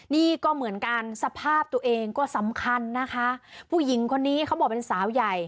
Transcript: นี่ก็เหมือนกันสภาพตัวเองก็สำคัญนะคะผู้หญิงคนนี้เขาบอกเป็นสาวใหญ่